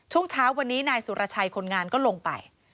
ช่วงเช้าวันนี้นายสุรชัยคนงานก็ลงไป